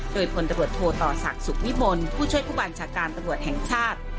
โดยพลตำรวจโทต่อศักดิ์สุขวิมลผู้ช่วยผู้บัญชาการตำรวจแห่งชาติ